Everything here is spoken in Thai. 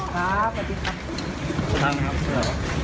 ครับสวัสดีครับ